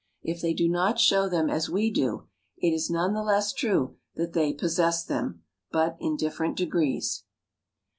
If they do not show them as we do, it is none the less true that they possess them, but in different degrees.